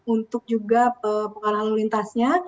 untuk juga pengarah lalu lintasnya